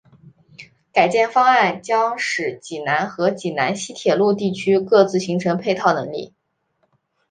改建方案将使济南和济南西铁路地区各自形成配套能力。